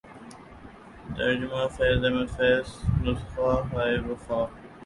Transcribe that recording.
ترجمہ فیض احمد فیض نسخہ ہائے وفا